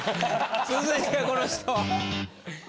続いてこの人。